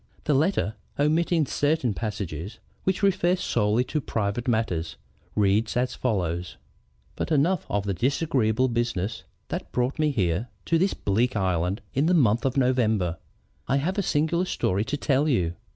The letter, omitting certain passages which refer solely to private matters, reads as follows: "But enough of the disagreeable business that brought me here to this bleak island in the month of November. I have a singular story to tell you.